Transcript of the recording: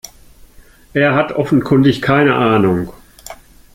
Er hat offenkundig keine Ahnung.